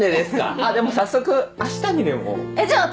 あっでも早速あしたにでもえっじゃあ私